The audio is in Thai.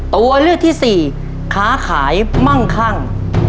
ตัวเลือกที่สี่ค้าขายมั่งคั่ง